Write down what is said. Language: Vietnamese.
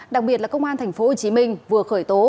đặc biệt là công an tp hcm vừa khởi tố